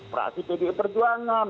fraksi pdi perjuangan